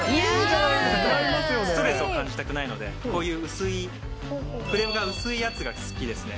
ストレスを感じたくないので、こういう薄い、フレームが薄いやつが好きですね。